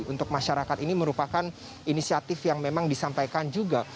untuk masyarakat ini merupakan inisiatif yang memang disampaikan juga